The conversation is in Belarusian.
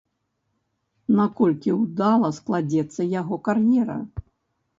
Наколькі ўдала складзецца яго кар'ера?